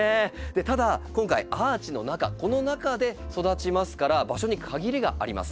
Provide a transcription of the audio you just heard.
ただ今回アーチの中この中で育ちますから場所に限りがあります。